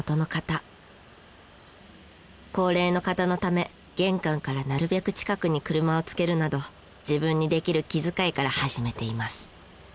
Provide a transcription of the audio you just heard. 高齢の方のため玄関からなるべく近くに車をつけるなど自分にできる気遣いから始めています。